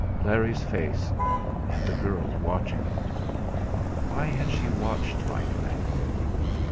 Larry's face; and the girl watching it! Why had she watched like that?